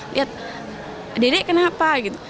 lihat dedek kenapa gitu